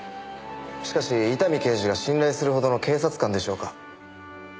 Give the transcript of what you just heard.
しかし伊丹刑事が信頼するほどの警察官でしょうか？